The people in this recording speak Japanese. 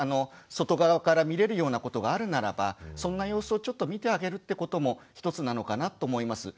外側から見れるようなことがあるならばそんな様子をちょっと見てあげるってことも一つなのかなと思います。